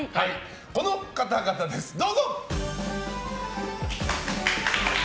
この方々です、どうぞ！